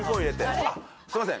あっすいません